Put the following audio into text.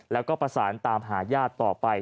แล้วก็ประสานตามหาญาติต่อไป